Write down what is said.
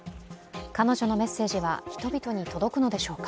彼女のメッセージは人々に届くのでしょうか。